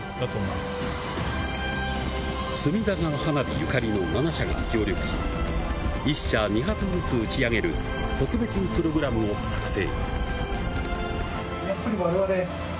隅田川花火ゆかりの７社が協力し１社２発ずつ、打ち上げる特別プログラムを作成。